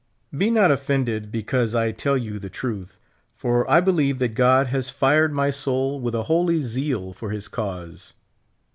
Be not offended because I tell j^ou the truth ; for I be lieve that God has fired my soul with a holy zeal for his cause.